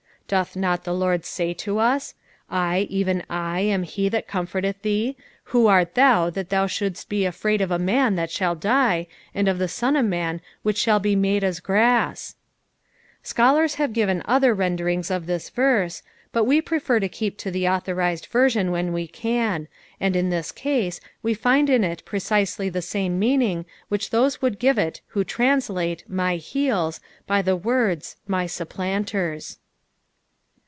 Doth not the Lord say to lu, " I, even I, am he that comforteth thee ; who art thou, that thou ahouldeat be afraid of a man that shall die, and of the son of man which shall be made as grass f" Scholars have given other renderings of this Terse, but we prefer to keep to the authorised version when we can, and in this case we'find in it preciaeljthe same meaning which those would give to it who translate "my httU,'^ by the words, " my tupplantert."